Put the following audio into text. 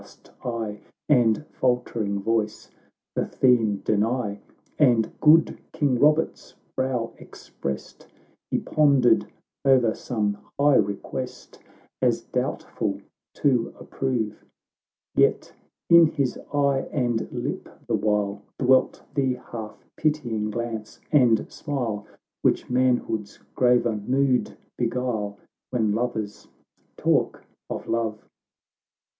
st eye, And faltering voice, the theme deny. And good King Robert's brow expressed, He pondered o'er some high request, As doubtful to approve ; Yet in his eye and lip the while Dwelt the half pitying glance and smile, Which manhood's graver mood beguile, When lovers talk of love.